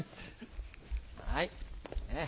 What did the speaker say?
はい。